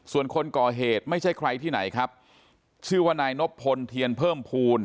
ส่วนคนก่อเหตุไม่ใช่ใครที่ไหนครับชื่อว่านายนบพลเทียนเพิ่มภูมิ